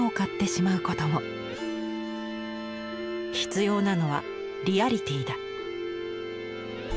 「必要なのはリアリティだ」。